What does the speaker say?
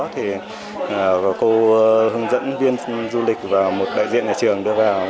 thì cô hướng dẫn viên du lịch và một đại diện nhà trường đưa vào